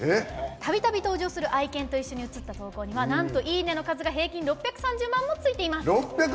たびたび登場する愛犬と一緒に写った投稿にはなんと「いいね！」の数が平均６３０万もついています。